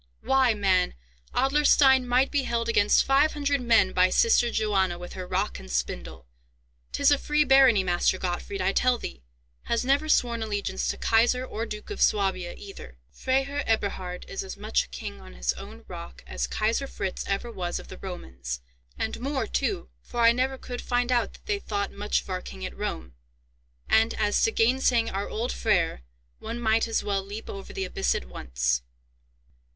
Why, man, Adlerstein might be held against five hundred men by sister Johanna with her rock and spindle! 'Tis a free barony, Master Gottfried, I tell thee—has never sworn allegiance to Kaiser or Duke of Swabia either! Freiherr Eberhard is as much a king on his own rock as Kaiser Fritz ever was of the Romans, and more too, for I never could find out that they thought much of our king at Rome; and, as to gainsaying our old Freiherr, one might as well leap over the abyss at once."